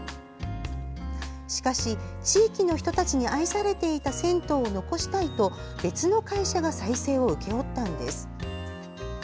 しかし、地域の人たちに愛されていた銭湯を残したいと別の会社が再生を請け負ったんです。